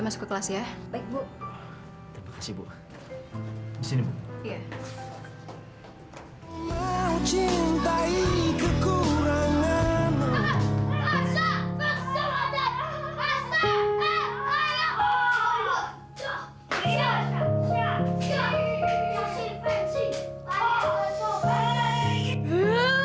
ya udah pergi hati hati makasih ya bang